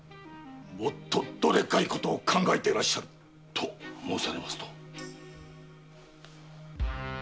もっとどでかいことを考えていらっしゃる。と申されますと？